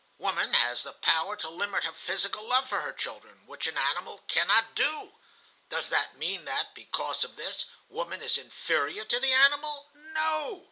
Woman has the power to limit her physical love for her children, which an animal cannot do. Does that mean that, because of this, woman is inferior to the animal? No.